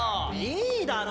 いいだろ？